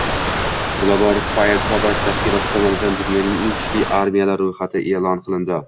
Global Firepower tashkiloti tomonidan dunyoning eng kuchli armiyalari ro‘yxati e’lon qilindi